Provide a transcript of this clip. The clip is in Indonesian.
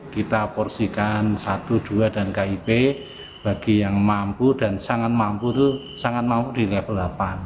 kita porsikan satu dua dan kip bagi yang mampu dan sangat mampu itu sangat mampu di level delapan